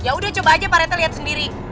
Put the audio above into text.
yaudah coba aja parete lihat sendiri